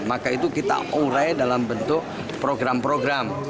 maka itu kita urai dalam bentuk program program